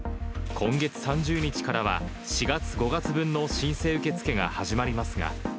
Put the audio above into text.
今月３０日からは、４月、５月分の申請受け付けが始まりますが。